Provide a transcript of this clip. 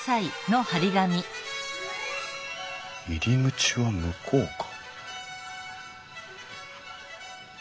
入り口は向こうか。